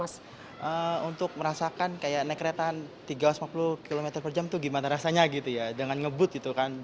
untuk merasakan kayak naik keretaan tiga ratus lima puluh km per jam tuh gimana rasanya gitu ya dengan ngebut gitu kan